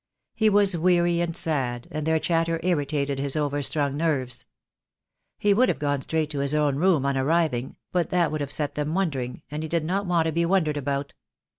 He was weary and sad, and their chatter irritated his overstrung nerves. He would have gone straight to his own room on arriving, but that would have set them wondering, and he did not want to be wondered about.